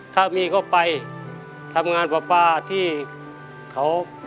ถ้ามีก็ไปทำงานปลาที่เขา